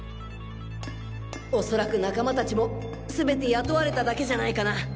おそらく仲間達も全て雇われただけじゃないかな。